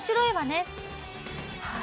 はい。